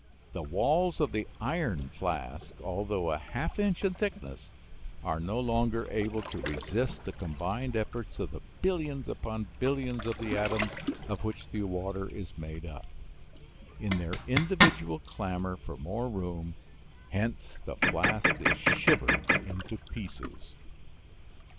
The walls of the iron flask, although a half inch in thickness, are no longer able to resist the combined efforts of the billions upon billions of the atoms of which the water is made up, in their individual clamor for more room, hence the flask is shivered into pieces.